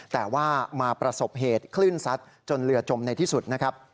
แต่ว่ามาประสบเหตุคลื่นซัดจนเรือจมในที่สุดนะครับ